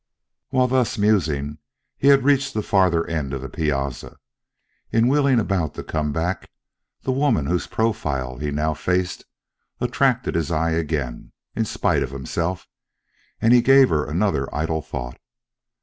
While thus musing, he had reached the farther end of the piazza. In wheeling about to come back, the woman whose profile he now faced attracted his eye again, in spite of himself, and he gave her another idle thought.